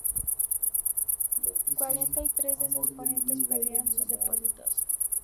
Cuarenta y tres de sus oponentes perdieron sus depósitos.